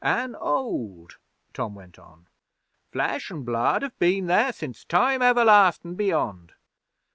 'An' old,' Tom went on. 'Flesh an' Blood have been there since Time Everlastin' Beyond.